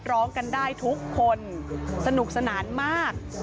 ร้องกันได้ทุกคนสนุกสนานมาก